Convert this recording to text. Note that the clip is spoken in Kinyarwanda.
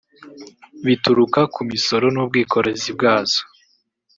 bituruka ku misoro n’ubwikorezi bwazo